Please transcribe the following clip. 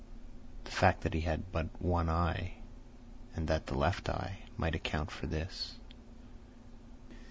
The fact that he had but one eye, and that the left eye, might account for this.